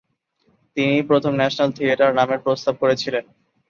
তিনিই প্রথম national theatre নামের প্রস্তাব করেছিলেন।